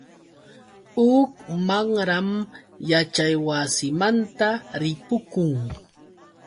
Huk mamram yaćhaywasimanta ripukun.